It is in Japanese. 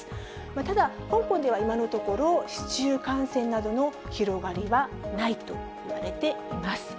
ただ、香港では今のところ、市中感染などの広がりはないといわれています。